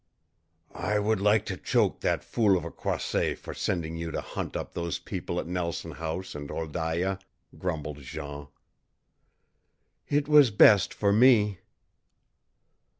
"I would like to choke that fool of a Croisset for sending you to hunt up those people at Nelson House and Wholdaia!" grumbled Jean. "It was best for me."